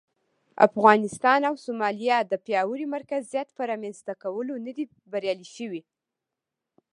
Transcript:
افغانستان او سومالیا د پیاوړي مرکزیت پر رامنځته کولو نه دي بریالي شوي.